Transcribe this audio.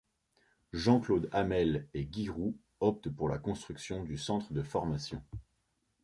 Jean-Claude Hamel et Guy Roux optent pour la construction du centre de formation.